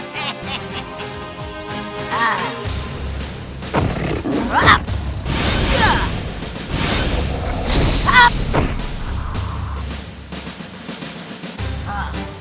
beraninya kamu memerintahku ha